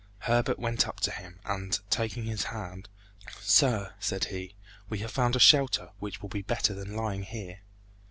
Herbert went up to him, and taking his hand, "Sir," said he, "we have found a shelter which will be better than lying here.